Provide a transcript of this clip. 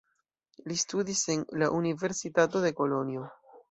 Li studis en la universitato de Kolonjo.